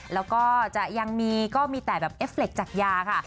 แล้วก็จะยังมีก็มีแต่แบบเอฟเล็กจากยาค่ะ